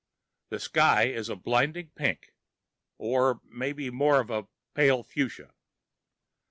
The sky is a blinding pink, or maybe more of a pale fuchsia.